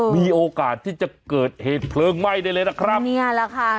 มีโอกาสที่จะเกิดเหตุเพลิงไหม้ได้เลยนะครับเนี่ยแหละค่ะ